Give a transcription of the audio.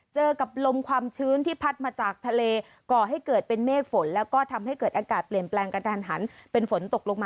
เจอกับลมความชื้นที่พัดมาจากทะเลก่อให้เกิดเป็นเมฆฝน